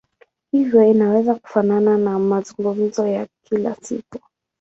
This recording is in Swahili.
Hivyo inaweza kufanana na mazungumzo ya kila siku.